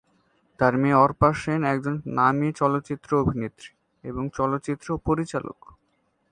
তার মেয়ে অপর্ণা সেন একজন নামী চলচ্চিত্র অভিনেত্রী এবং চলচ্চিত্র পরিচালক।